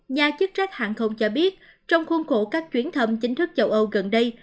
nhà chức trách hàng không cho biết trong khuôn khổ các chuyến thăm chính thức châu âu gần đây